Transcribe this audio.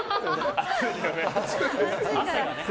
暑いよね。